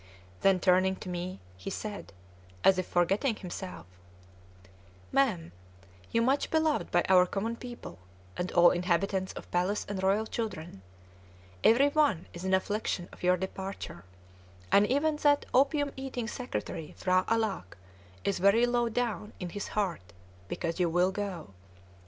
Then turning to me, he said (as if forgetting himself): "Mam! you much beloved by our common people, and all inhabitants of palace and royal children. Every one is in affliction of your departure; and even that opium eating secretary, P'hra Alâck, is very low down in his heart because you will go.